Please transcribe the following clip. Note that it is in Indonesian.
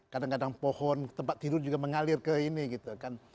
kadang kadang pohon tempat tidur juga mengalir ke ini gitu kan